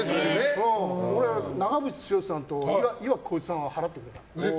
俺、長渕剛さんと岩城滉一さんが払ってくれた。